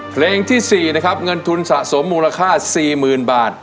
เพลงที่สี่นะครับเงินทุนสะสมมูลค่าสี่หมื่นบาท